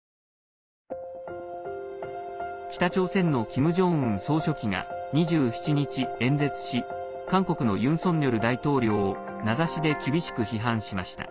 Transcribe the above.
北朝鮮のキム・ジョンウン総書記が２７日、演説し韓国のユン・ソンニョル大統領を名指しで厳しく批判しました。